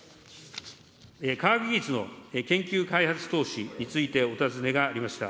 科学技術の研究開発投資についてお尋ねがありました。